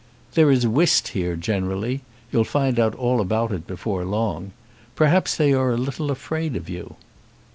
"There is whist here generally. You'll find out all about it before long. Perhaps they are a little afraid of you."